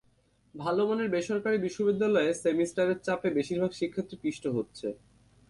ভালো মানের বেসরকারি বিশ্ববিদ্যালয়ে সেমিস্টারের চাপে বেশির ভাগ শিক্ষার্থী পিষ্ট হচ্ছে।